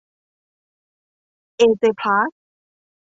เอ เจ พลาสท์